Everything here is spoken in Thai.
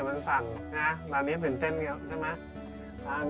แบบนี้ตื่นเต้นเยอะใช่ไหม